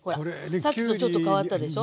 さっきとちょっと変わったでしょ。